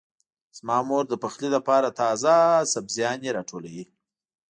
زما مور د پخلي لپاره تازه سبزيانې راټولوي.